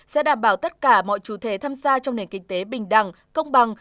sẽ đảm bảo tất cả mọi chủ thể tham gia trong nền kinh tế bình đẳng công bằng